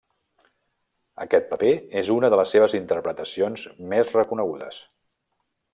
Aquest paper és una de les seves interpretacions més reconegudes.